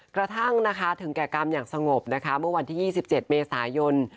กระทั่งนะคะถึงแก่กรรมอย่างสงบนะคะเมื่อวันที่๒๗เมษายน